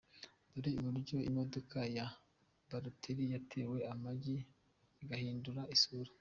Dore uburyo imodoka ya Balotelli yatewe amagi igahindura isura.